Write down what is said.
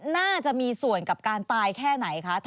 น่าจะมีส่วนกับการตายแค่ไหนคะ